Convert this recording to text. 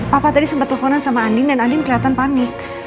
papa tadi sempet teleponan sama andien dan andien keliatan panik